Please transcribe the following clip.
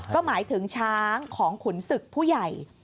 ก็หมายถึงช้างของขุนศึกผู้ใหญ่